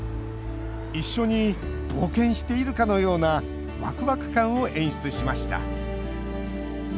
一緒に冒険しているかのようなワクワク感を演出しました。